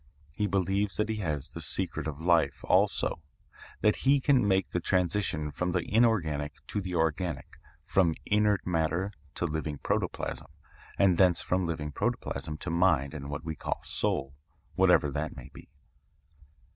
He believes that he has the secret of life also, that he can make the transition from the inorganic to the organic, from inert matter to living protoplasm, and thence from living protoplasm to mind and what we call soul, whatever that may be."